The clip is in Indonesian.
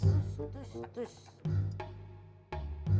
tuh tuh tuh